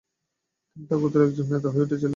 তিনি তার গোত্রের একজন নেতা হয়ে উঠেছিলেন।